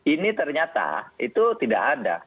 ini ternyata itu tidak ada